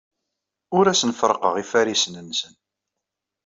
Ur asen-ferrqeɣ ifarisen-nsen.